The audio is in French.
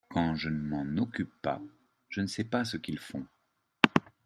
quand je ne m'en occupe pas je ne sais pas ce qu'ils font.